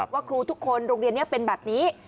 ว่าครูทุกคนโรงเรียนนี้เป็นแบบนี้